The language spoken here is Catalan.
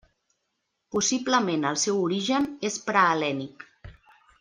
Possiblement el seu origen és prehel·lènic.